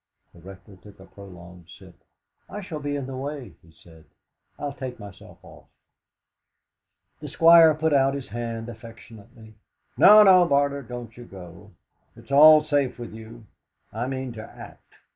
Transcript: The Rector took a prolonged sip. "I shall be in the way," he said. "I'll take myself off'." The Squire put out his hand affectionately. "No, no, Barter, don't you go. It's all safe with you. I mean to act.